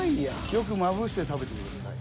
よくまぶして食べてください。